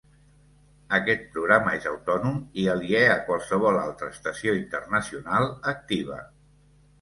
Aquest programa és autònom i aliè a qualsevol altra estació internacional activa.